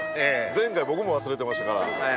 前回僕も忘れてましたから。